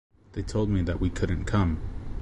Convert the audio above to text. They told me that we couldn’t come